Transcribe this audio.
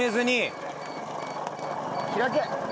開け。